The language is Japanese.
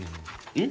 うん？